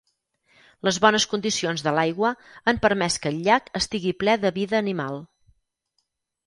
Les bones condicions de l'aigua han permès que el llac estigui ple de vida animal.